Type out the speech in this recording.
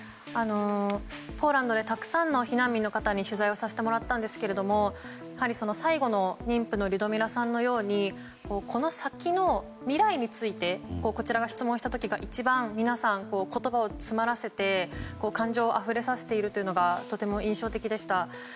ポーランドでたくさんの避難民の方に取材をさせてもらったんですが最後の妊婦のリュドミラさんのようにこの先の未来についてこちらが質問した時が一番、皆さん言葉を詰まらせて感情をあふれさせているというのがとても印象的でした。